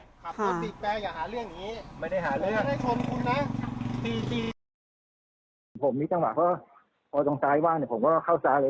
ผมมีจังหวังว่าพอตรงซ้ายว่างเนี้ยผมก็เข้าซ้ายเลย